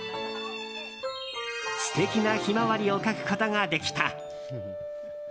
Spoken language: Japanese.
素敵なヒマワリを描くことができた。